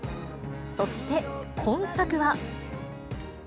そして今作は。